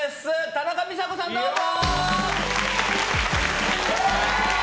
田中美佐子さん、どうぞ！